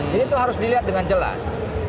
itu harus dilihat dengan jelas